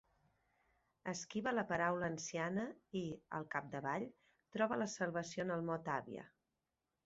Esquiva la paraula anciana i, al capdavall, troba la salvació en el mot àvia.